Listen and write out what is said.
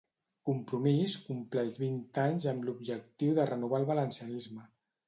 Compromís compleix vint anys amb l'objectiu de renovar el valencianisme.